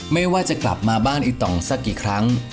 ไม่ว่าจะกลับมาบ้านอีต่องสักกี่ครั้ง